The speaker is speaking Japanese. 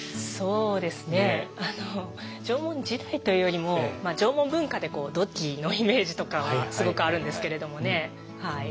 そうですね縄文時代というよりもまあ縄文文化で土器のイメージとかはすごくあるんですけれどもね。